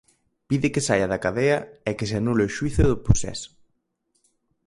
Pide que saia da cadea e que se anule o xuízo do Procés.